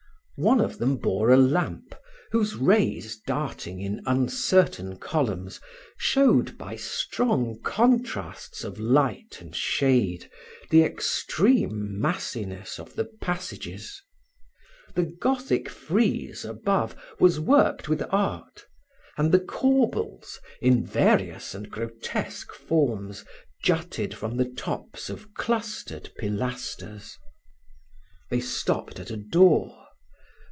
One of them bore a lamp, whose rays darting in uncertain columns, showed, by strong contrasts of light and shade, the extreme massiness of the passages. The Gothic frieze above was worked with art; and the corbels, in various and grotesque forms, jutted from the tops of clustered pilasters. They stopped at a door.